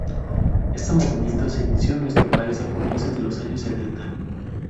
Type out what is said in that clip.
Este movimiento se inició en nuestro país a comienzos de los años sesenta.